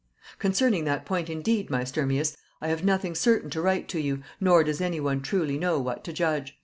"Concerning that point indeed, my Sturmius, I have nothing certain to write to you, nor does any one truly know what to judge.